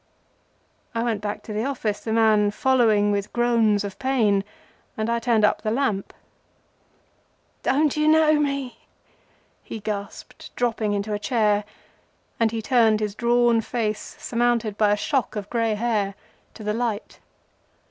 I went back to the office, the man following with groans of pain, and I turned up the lamp. "Don't you know me?" he gasped, dropping into a chair, and he turned his drawn face, surmounted by a shock of gray hair, to the light.